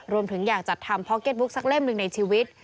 อยากจัดทำพอเก็ตบุ๊กสักเล่มหนึ่งในชีวิต